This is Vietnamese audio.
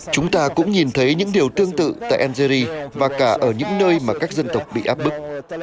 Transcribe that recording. chúng ta cũng nhìn thấy những điều tương tự tại algeria và cả ở những nơi mà các dân tộc bị áp bức